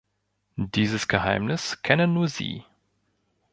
Dieses Geheimnis kennen nur Sie.